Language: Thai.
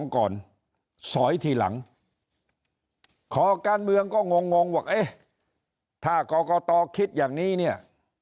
ก่อนสอยทีหลังขอการเมืองก็งงว่าเอ๊ะถ้ากรกตคิดอย่างนี้เนี่ย